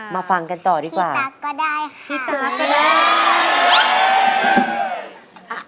มาฟังกันต่อดีกว่าพี่ตั๊กก็ได้ค่ะพี่ตั๊กก็ได้